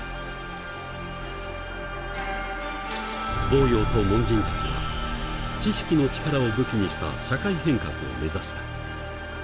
亡羊と門人たちは知識の力を武器にした社会変革を目指した。